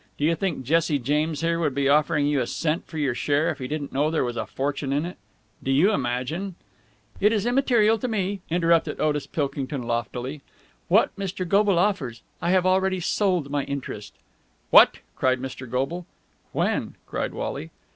Do you think Jesse James here would be offering you a cent for your share if he didn't know there was a fortune in it? Do you imagine...?" "It is immaterial to me," interrupted Otis Pilkington loftily, "what Mr. Goble offers. I have already sold my interest!" "What!" cried Mr. Goble. "When?" cried Wally.